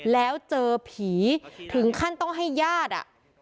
แล้วเจอผีถึงขั้นต้องให้ญาติอ่ะ